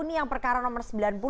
ini yang perkara nomor sembilan puluh